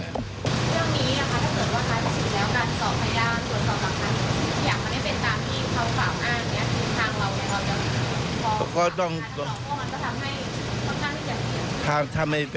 เรื่องนี้ถ้าเกิดว่าทางสินแล้วการสอบไพร่า